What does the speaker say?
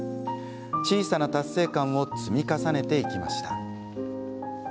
小さな達成感を積み重ねていきました。